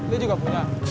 lu juga punya